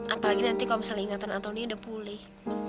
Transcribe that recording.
apalagi nanti kalau misalnya ingatan antoni udah pulih